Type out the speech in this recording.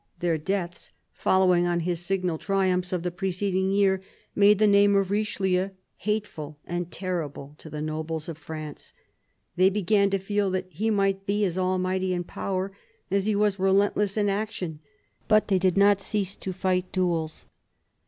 Their deaths, following on his signal triumphs of the preceding year, made the name of Richelieu hateful and terrible to the nobles of France. They began to feel that he might be as almighty in power as he was relentless in action. But they did not cease to fight duels.